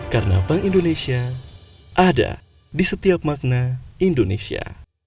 karena bank indonesia ada di setiap makna indonesia